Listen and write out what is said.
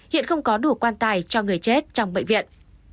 hiện không có đủ quan tài cho người chết trong bệnh viện